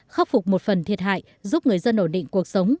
khắc phục một phần thiệt hại giúp người dân ổn định cuộc sống